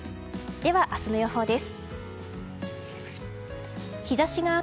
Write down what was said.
では、明日の予報です。